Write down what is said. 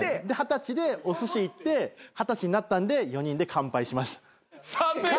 で二十歳でおすし行って二十歳になったんで４人で乾杯しました。